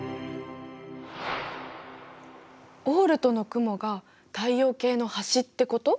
オールトの雲が太陽系の端ってこと！？